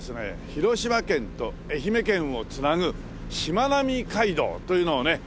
広島県と愛媛県を繋ぐしまなみ海道というのをね